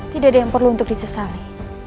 tidak ada yang perlu untuk disesali